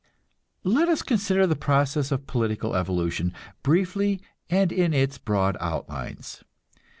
Let us consider the process of political evolution, briefly and in its broad outlines.